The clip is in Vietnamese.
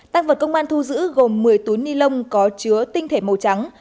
tăng vật công an thu giữ gồm một mươi túi ni lông có chứa tinh thể màu trắng